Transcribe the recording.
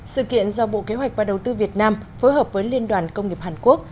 sự kiện do bộ kế hoạch và đầu tư việt nam phối hợp với liên đoàn công nghiệp hàn quốc